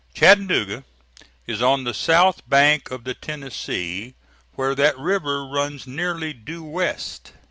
Chattanooga is on the south bank of the Tennessee, where that river runs nearly due west.